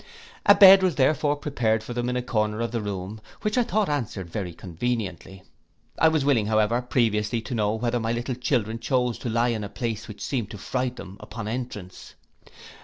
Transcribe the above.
A bed was therefore prepared for them in a corner of the room, which I thought answered very conveniently. I was willing however previously to know whether my little children chose to lie in a place which seemed to fright them upon entrance.